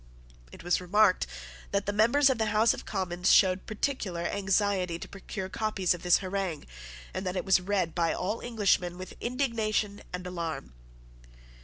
It was remarked that the members of the House of Commons showed particular anxiety to procure copies of this harangue, and that it was read by all Englishmen with indignation and alarm.